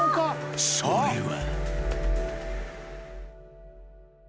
それは］